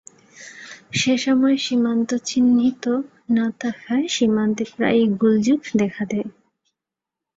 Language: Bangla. সে সময় সীমান্ত চিহিূত না থাকায় সীমান্তে প্রায়ই গোলযোগ দেখা দেয়।